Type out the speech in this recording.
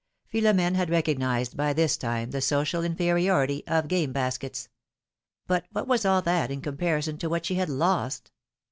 (Philomene had recognized by this time the social inferiority of game baskets.) But what was all that in comparison to what she had lost?